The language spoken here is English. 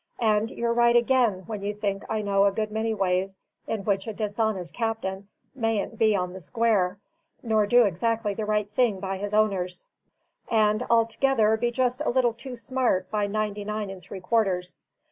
And you're right again when you think I know a good many ways in which a dishonest captain mayn't be on the square, nor do exactly the right thing by his owners, and altogether be just a little too smart by ninety nine and three quarters.